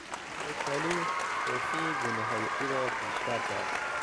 خوشحالی سرخی گونههای او را بیشتر کرد.